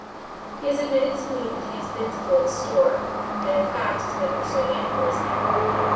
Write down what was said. He has admitted to me that he has been to Lyne's Store and in fact has been pursuing inquiries there.